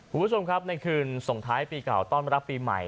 คุณผู้ชมครับในคืนส่งท้ายปีเก่าต้อนรับปีใหม่